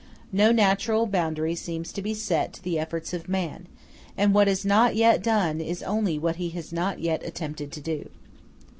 No natural boundary seems to be set to the efforts of man; and what is not yet done is only what he has not yet attempted to do.